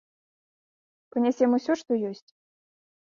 Панясем усё, што ёсць.